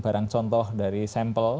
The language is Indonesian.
barang contoh dari sampel